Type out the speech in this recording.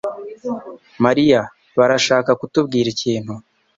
Mariya barashaka kutubwira ikintu.